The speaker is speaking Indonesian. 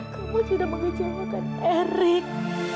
kamu sudah mengejarkan erik